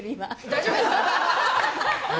大丈夫ですか。